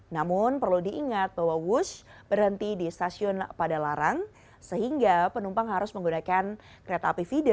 namun perlu diingat bahwa wush berhenti di stasiun padalarang sehingga penumpang harus menggunakan kereta api feeder